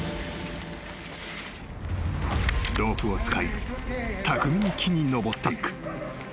［ロープを使い巧みに木に登っていく］